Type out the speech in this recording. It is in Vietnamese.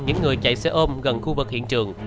những người chạy xe ôm gần khu vực hiện trường